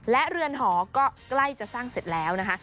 และเรือนหอก็ใกล้จะสร้างเสร็จแล้วนะคะ